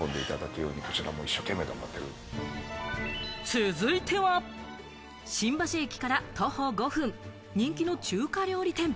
続いては、新橋駅から徒歩５分、人気の中華料理店。